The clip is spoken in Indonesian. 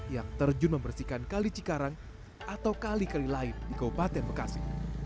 yang terjun membersihkan kali cikarang atau kali kali lain di kabupaten bekasi